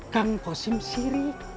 kang kostim siri